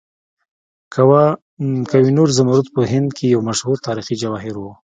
کوه نور زمرد په هند کې یو مشهور تاریخي جواهر و.